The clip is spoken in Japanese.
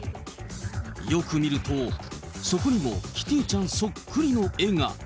よく見ると、そこにもキティちゃんそっくりの絵が。